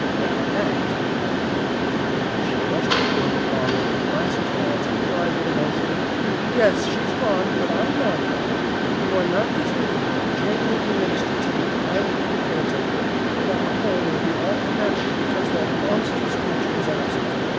"Now, ACT!" murmured the widow, and she rushed toward the farmer with clasped hands, and cried with emotion, "Yes, she's gone; but I'm not gone. You are not deserted. Jane will minister to you; I will be the caretaker, and our home will be all the happier because that monstrous creature is absent.